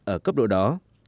ở cấp độ đó